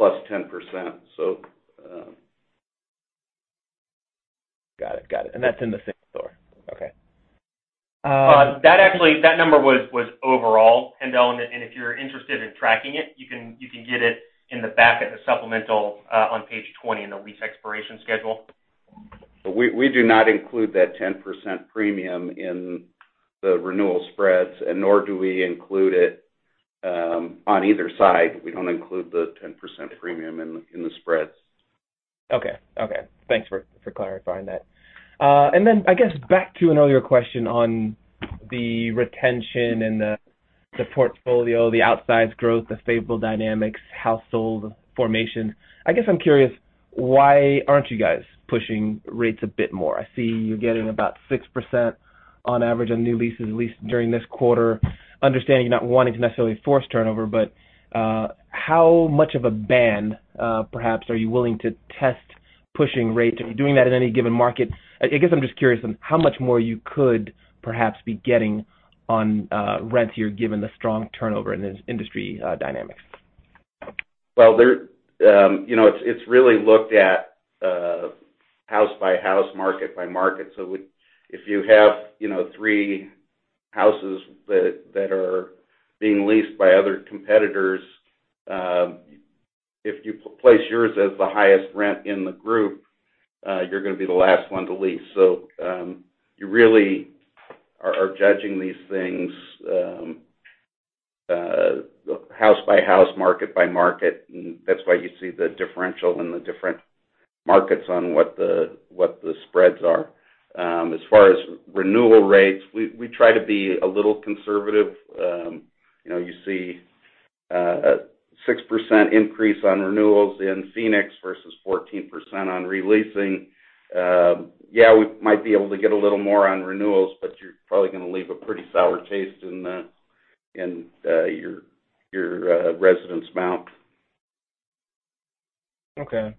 +10%. Got it. That's in the same-store. Okay. That number was overall, Haendel, and if you're interested in tracking it, you can get it in the back of the supplemental, on page 20 in the lease expiration schedule. We do not include that 10% premium in the renewal spreads, and nor do we include it on either side. We don't include the 10% premium in the spreads. Okay. Thanks for clarifying that. I guess back to an earlier question on the retention and the portfolio, the outsized growth, the favorable dynamics, household formation. I guess I'm curious, why aren't you guys pushing rates a bit more? I see you getting about 6% on average on new leases, at least during this quarter, understanding you're not wanting to necessarily force turnover, how much of a bar, perhaps, are you willing to test pushing rates? Are you doing that in any given market? I guess I'm just curious on how much more you could perhaps be getting on rents here, given the strong turnover in the industry dynamics. Well, it's really looked at house by house, market by market. If you have three houses that are being leased by other competitors, if you place yours as the highest rent in the group, you're gonna be the last one to lease. You really are judging these things house by house, market by market, and that's why you see the differential in the different markets on what the spreads are. As far as renewal rates, we try to be a little conservative. You see a 6% increase on renewals in Phoenix versus 14% on re-leasing. Yeah, we might be able to get a little more on renewals, but you're probably gonna leave a pretty sour taste in your residents' mouth. Okay.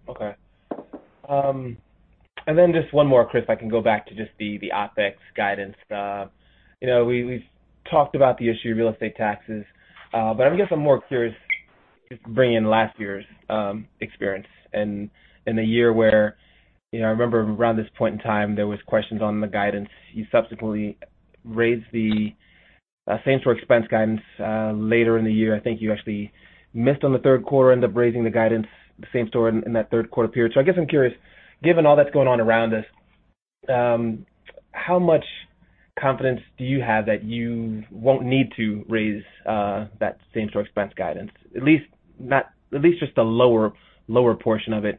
Just one more, Chris, if I can go back to just the OpEx guidance. We've talked about the issue of real estate taxes. I guess I'm more curious, just bringing in last year's experience and the year where I remember around this point in time, there was questions on the guidance. You subsequently raised the same-store expense guidance later in the year. I think you actually missed on the third quarter, ended up raising the guidance the same-store in that third quarter period. I guess I'm curious, given all that's going on around us, how much confidence do you have that you won't need to raise that same-store expense guidance? At least just a lower portion of it,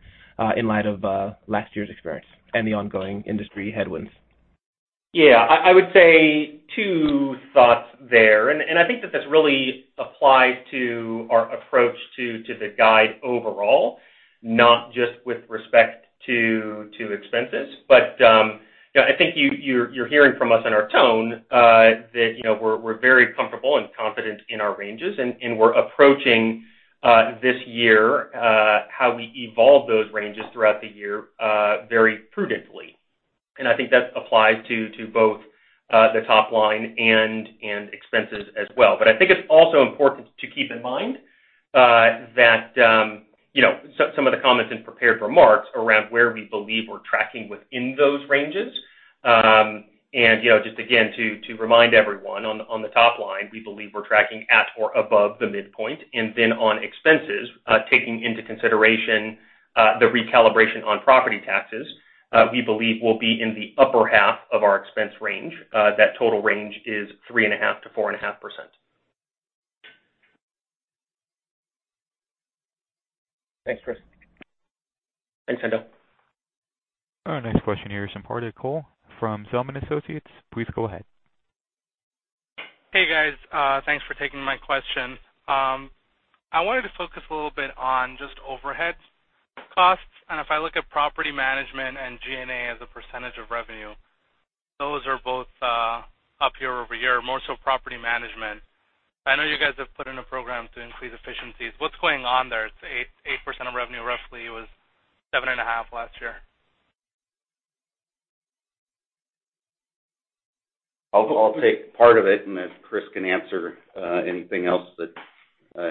in light of last year's experience and the ongoing industry headwinds. Yeah. I would say two thoughts there. I think that this really applies to our approach to the guide overall, not just with respect to expenses. I think you're hearing from us in our tone that we're very comfortable and confident in our ranges and we're approaching this year how we evolve those ranges throughout the year very prudently. I think that applies to both the top line and expenses as well. I think it's also important to keep in mind that some of the comments in prepared remarks around where we believe we're tracking within those ranges. Just again, to remind everyone on the top line, we believe we're tracking at or above the midpoint. Then on expenses, taking into consideration the recalibration on property taxes, we believe we'll be in the upper half of our expense range. That total range is 3.5%-4.5%. Thanks, Chris. Thanks, Haendel. Our next question here is from Hardik Goel from Zelman & Associates. Please go ahead. Hey, guys. Thanks for taking my question. I wanted to focus a little bit on just overhead costs. If I look at Property Management and G&A as a percentage of revenue, those are both up year-over-year, more so Property Management. I know you guys have put in a program to increase efficiencies. What's going on there? It's 8% of revenue, roughly. It was 7.5% last year. I'll take part of it, and then Chris can answer anything else that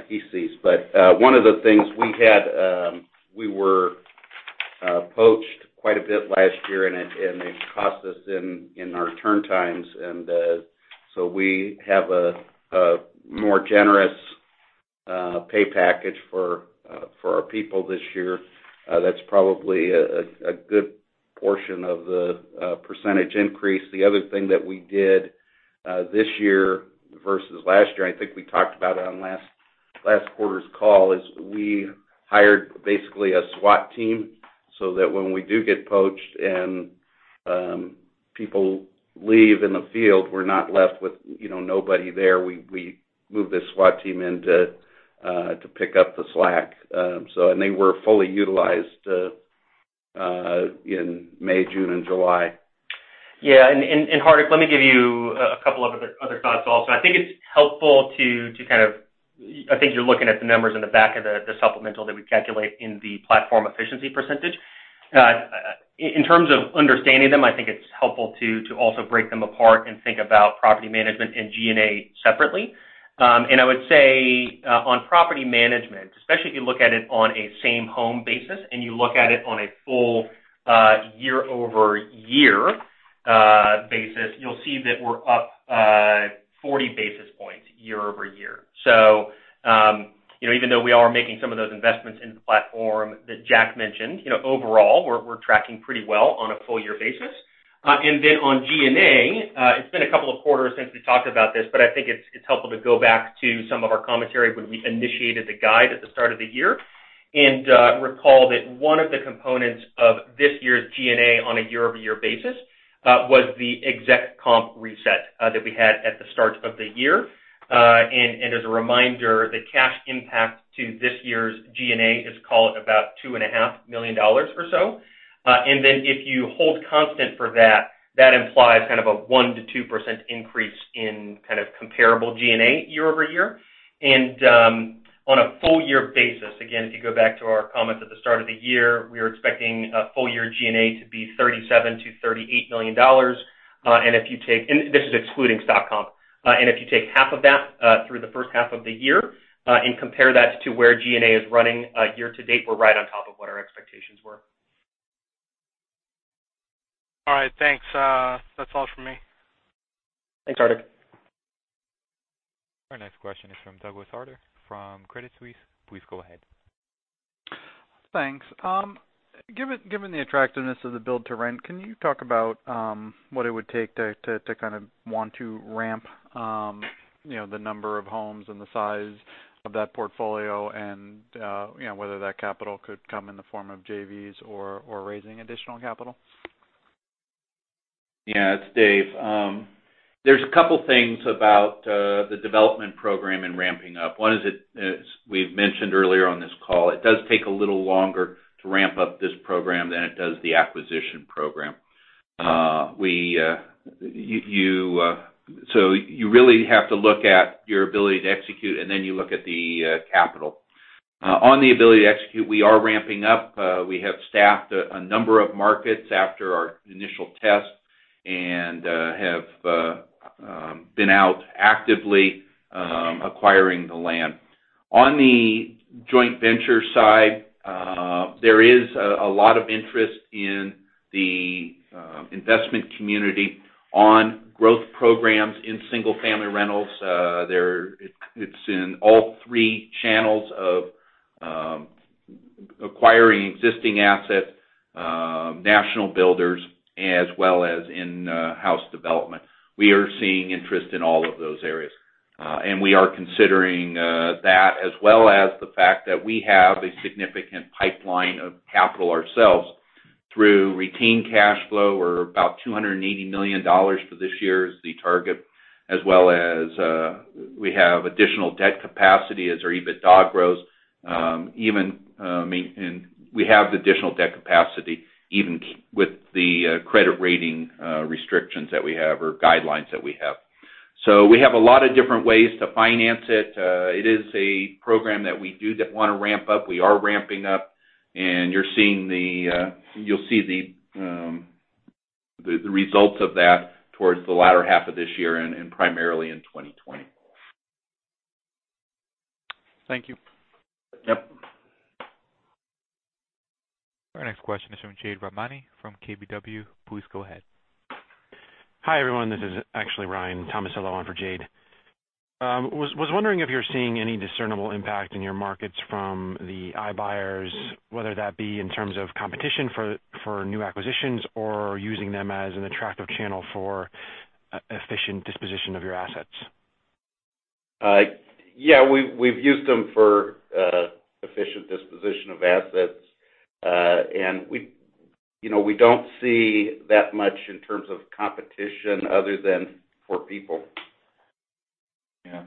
he sees. One of the things we had, we were poached quite a bit last year, and it cost us in our turn times. We have a more generous pay package for our people this year. That's probably a good portion of the percentage increase. The other thing that we did this year versus last year, and I think we talked about it on last quarter's call, is we hired basically a SWAT team so that when we do get poached and people leave in the field, we're not left with nobody there. We move the SWAT team in to pick up the slack. They were fully utilized in May, June, and July. Yeah. Hardik, let me give you a couple of other thoughts also. I think you're looking at the numbers in the back of the supplemental that we calculate in the platform efficiency percentage. In terms of understanding them, I think it's helpful to also break them apart and think about Property Management and G&A separately. I would say on Property Management, especially if you look at it on a same-home basis and you look at it on a full year-over-year basis, you'll see that we're up 40 basis points year-over-year. Even though we are making some of those investments in the platform that Jack mentioned, overall, we're tracking pretty well on a full-year basis. On G&A, it's been a couple of quarters since we talked about this, but I think it's helpful to go back to some of our commentary when we initiated the guide at the start of the year. Recall that one of the components of this year's G&A on a year-over-year basis was the exec comp reset that we had at the start of the year. As a reminder, the cash impact to this year's G&A is call it about $2.5 million or so. If you hold constant for that implies kind of a 1%-2% increase in comparable G&A year-over-year. On a full-year basis, again, if you go back to our comments at the start of the year, we are expecting full-year G&A to be $37 million-$38 million. This is excluding stock comp. If you take half of that through the first half of the year and compare that to where G&A is running year to date, we're right on top of what our expectations were. All right, thanks. That's all from me. Thanks, Hardik. Our next question is from Douglas Harter from Credit Suisse. Please go ahead. Thanks. Given the attractiveness of the build to rent, can you talk about what it would take to kind of want to ramp the number of homes and the size of that portfolio and whether that capital could come in the form of JVs or raising additional capital? Yeah. It's Dave. There's a couple things about the Development Program and ramping up. One is, as we've mentioned earlier on this call, it does take a little longer to ramp-up this program than it does the acquisition program. You really have to look at your ability to execute, and then you look at the capital. On the ability to execute, we are ramping up. We have staffed a number of markets after our initial test and have been out actively acquiring the land. On the joint venture side, there is a lot of interest in the investment community on growth programs in single-family rentals. It's in all three channels of acquiring existing assets, national builders, as well as in-house development. We are seeing interest in all of those areas. We are considering that, as well as the fact that we have a significant pipeline of capital ourselves through retained cash flow. We're about $280 million for this year is the target, as well as we have additional debt capacity as our EBITDA grows. We have the additional debt capacity even with the credit rating restrictions that we have or guidelines that we have. We have a lot of different ways to finance it. It is a program that we do want to ramp-up. We are ramping up, and you'll see the results of that towards the latter half of this year and primarily in 2020. Thank you. Yep. Our next question is from Jade Rahmani from KBW. Please go ahead. Hi, everyone. This is actually Ryan Tomasello on for Jade. I was wondering if you're seeing any discernible impact in your markets from the iBuyers, whether that be in terms of competition for new acquisitions or using them as an attractive channel for efficient disposition of your assets? Yeah, we've used them for efficient disposition of assets. We don't see that much in terms of competition other than for people. Yeah.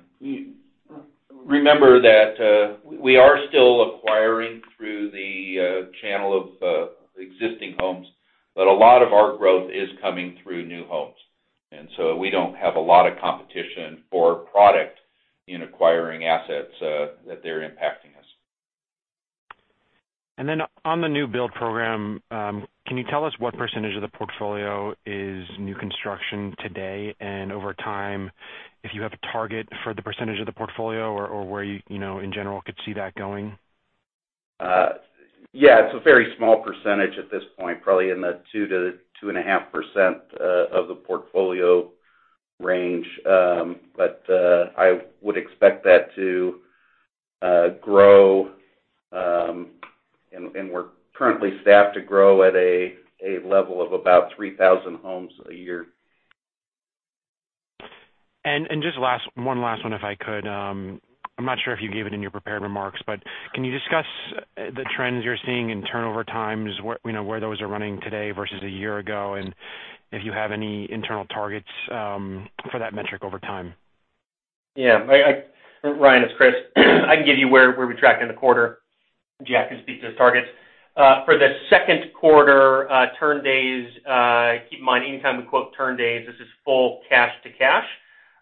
Remember that we are still acquiring through the channel of existing homes, but a lot of our growth is coming through new homes. We don't have a lot of competition for product in acquiring assets that they're impacting us. On the new build program, can you tell us what percentage of the portfolio is new construction today, and over time, if you have a target for the percentage of the portfolio or where you, in general, could see that going? Yeah. It's a very small percentage at this point, probably in the 2%-2.5% of the portfolio range. I would expect that to grow, and we're currently staffed to grow at a level of about 3,000 homes a year. Just one last one, if I could. I'm not sure if you gave it in your prepared remarks, but can you discuss the trends you're seeing in turnover times, where those are running today versus a year ago, and if you have any internal targets for that metric over time? Yeah. Ryan, it's Chris. I can give you where we tracked in the quarter. Jack can speak to the targets. For the second quarter turn days, keep in mind, any time we quote turn days, this is full cash to cash,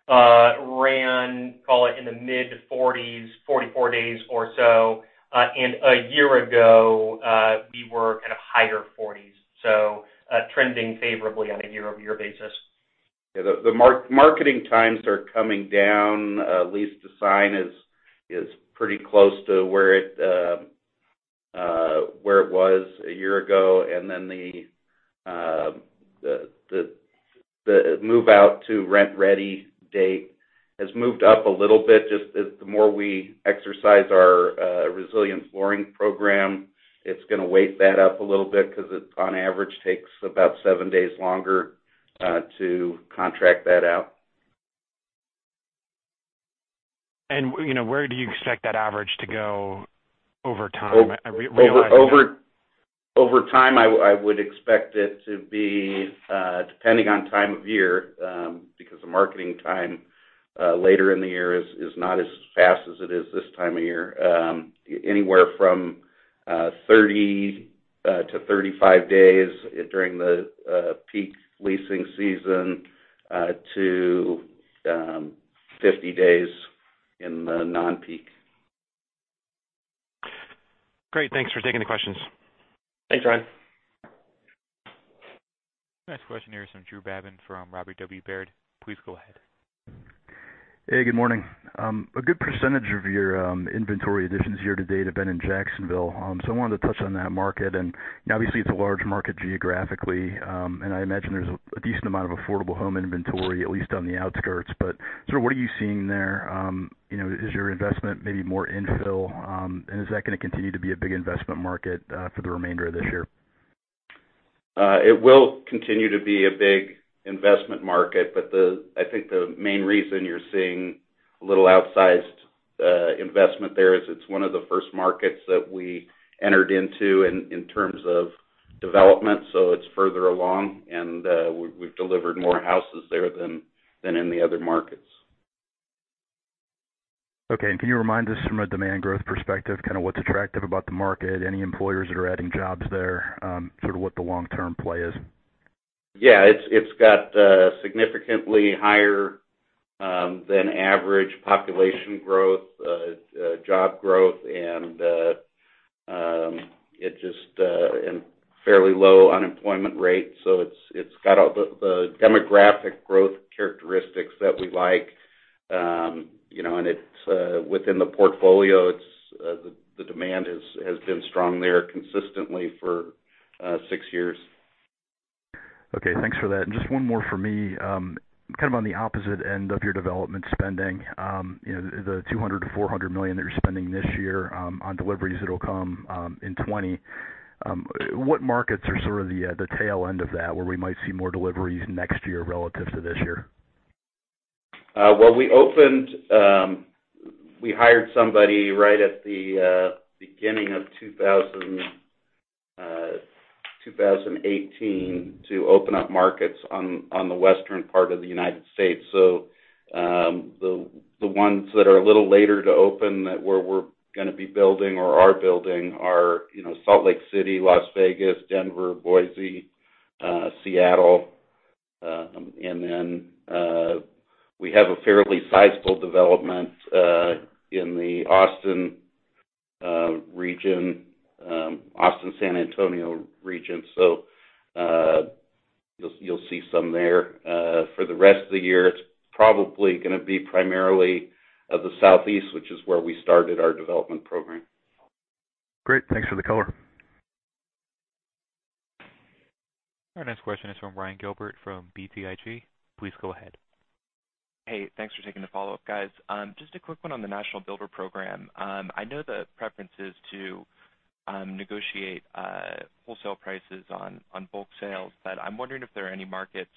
ran, call it, in the mid-40s, 44 days or so. A year ago, we were kind of higher 40s. Trending favorably on a year-over-year basis. Yeah. The marketing times are coming down. Lease to sign is pretty close to where it was a year ago. The move-out to rent-ready date has moved up a little bit. The more we exercise our resilient flooring program, it's going to weight that up a little bit because it, on average, takes about seven days longer to contract that out. Where do you expect that average to go over time? Over time, I would expect it to be, depending on time of year, because the marketing time later in the year is not as fast as it is this time of year, anywhere from 30-35 days during the peak leasing season to 50 days in the non-peak. Great. Thanks for taking the questions. Thanks, Ryan. Next question here is from Drew Babin from Robert W. Baird. Please go ahead. Hey, good morning. A good percentage of your inventory additions year to date have been in Jacksonville. I wanted to touch on that market. Obviously, it's a large market geographically. I imagine there's a decent amount of affordable home inventory, at least on the outskirts. Sort of what are you seeing there? Is your investment maybe more infill? Is that going to continue to be a big investment market for the remainder of this year? It will continue to be a big investment market, but I think the main reason you're seeing a little outsized investment there is it's one of the first markets that we entered into in terms of development. It's further along, and we've delivered more houses there than in the other markets. Okay. Can you remind us from a demand growth perspective, kind of what's attractive about the market? Any employers that are adding jobs there, sort of what the long-term play is? Yeah. It's got significantly higher than average population growth, job growth, and fairly low unemployment rate. It's got all the demographic growth characteristics that we like. Within the portfolio, the demand has been strong there consistently for six years. Okay, thanks for that. Just one more for me. Kind of on the opposite end of your development spending, the $200 million-$400 million that you're spending this year on deliveries that'll come in 2020. What markets are sort of the tail end of that, where we might see more deliveries next year relative to this year? We hired somebody right at the beginning of 2018 to open up markets on the western part of the United States. The ones that are a little later to open that where we're going to be building or are building are Salt Lake City, Las Vegas, Denver, Boise, Seattle. We have a fairly sizable development in the Austin-San Antonio region. You'll see some there. For the rest of the year, it's probably going to be primarily the Southeast, which is where we started our Development Program. Great. Thanks for the color. Our next question is from Ryan Gilbert from BTIG. Please go ahead. Hey, thanks for taking the follow-up, guys. Just a quick one on the National Builder Program. I know the preference is to negotiate wholesale prices on bulk sales, I'm wondering if there are any markets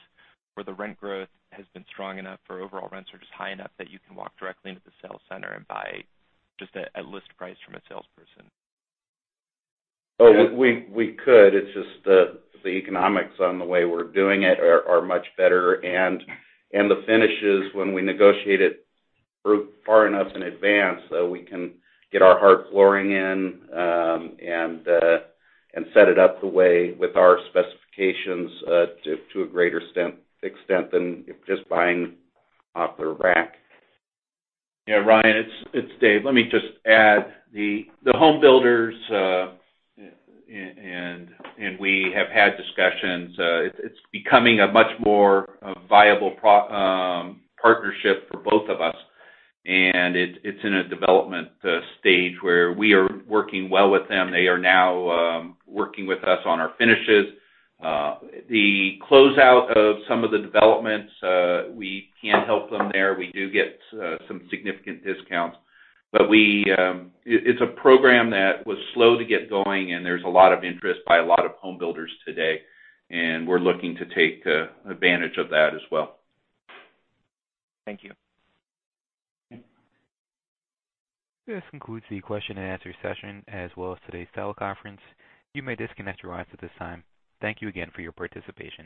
where the rent growth has been strong enough for overall rents are just high enough that you can walk directly into the sales center and buy just at list price from a salesperson? We could. It's just the economics on the way we're doing it are much better. The finishes, when we negotiate it far enough in advance, we can get our hard flooring in and set it up the way with our specifications to a greater extent than just buying off the rack. Ryan, it's Dave. Let me just add. The home builders, and we have had discussions, it's becoming a much more viable partnership for both of us, and it's in a development stage where we are working well with them. They are now working with us on our finishes. The closeout of some of the developments, we can help them there. We do get some significant discounts. It's a program that was slow to get going, and there's a lot of interest by a lot of home builders today, and we're looking to take advantage of that as well. Thank you. This concludes the question-and-answer session as well as today's teleconference. You may disconnect your lines at this time. Thank you again for your participation.